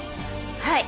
はい。